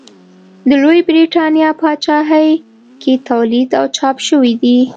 د لویې برېتانیا پاچاهۍ کې تولید او چاپ شوي دي.